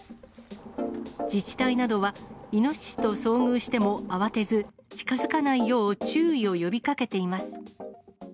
自治体などは、イノシシと遭遇しても慌てず、近づかないよう注意を呼びかけています。